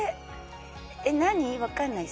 何、分かんない。